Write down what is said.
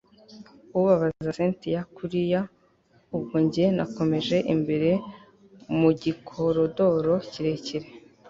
ubabaza cyntia kuriya! ubwo njye nakomeje imbere mugikorodoro kirekire